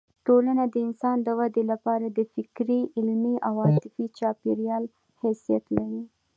ټولنه د انسان د ودې لپاره د فکري، علمي او عاطفي چاپېریال حیثیت لري.